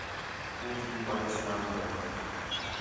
بوٹ بھی پالش نام کے